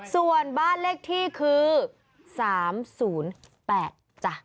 ส่วนบ้านเลขที่คือ๓๐๘จ้ะ